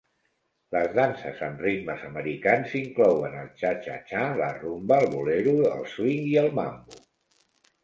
Les danses amb ritmes americans inclouen el txa-txa-txa, la rumba, el bolero, el swing i el mambo.